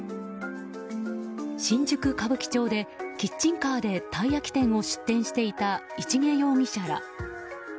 新宿・歌舞伎町でキッチンカーでたい焼き店を出店していた市毛容疑者ら。